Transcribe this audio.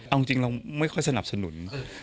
เอาจริงเราไม่ค่อยสนับสนุน